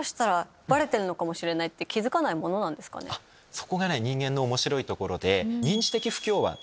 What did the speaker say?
そこが人間の面白いところで。